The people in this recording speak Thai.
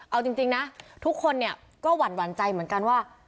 เอาจริงนะทุกคนเนี่ยก็หวั่นใจเหมือนกันว่า